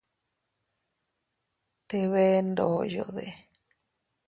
¿Te bee ndoyode?